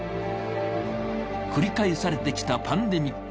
繰り返されてきたパンデミック。